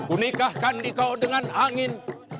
unikahkan dikau dengan angin